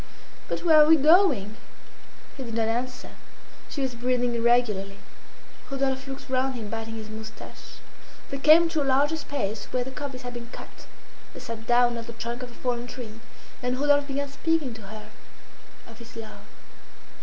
"But where are we going?" He did not answer. She was breathing irregularly. Rodolphe looked round him biting his moustache. They came to a larger space where the coppice had been cut. They sat down on the trunk of a fallen tree, and Rodolphe began speaking to her of his love.